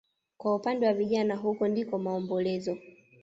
Kwa upande wa vijana huku ndiko maombolezo